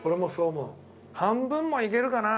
半分もいけるかな？